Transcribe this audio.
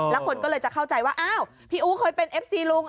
แล้วคนก็เลยจะเข้าใจว่าอ้าวพี่อู๋เคยเป็นเอฟซีลุง